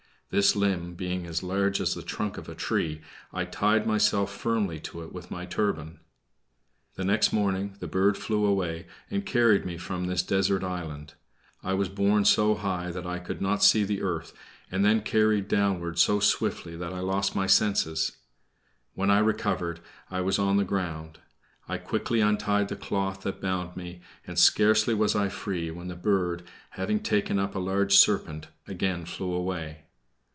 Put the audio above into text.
This limb being as large as the trunk of a tree, I tied myself firmly to it with my turban. The next morning the bird flew away, and carried me from this desert island. I was borne so high that I could not see the earth, and then carried downward so swiftly that I lost my senses. When I recovered, I was on the ground. I quickly untied the cloth that bound me, and scarcely was I free when the bird, having taken up a large serpent, again flew away.